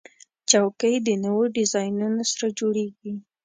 چوکۍ د نوو ډیزاینونو سره جوړیږي.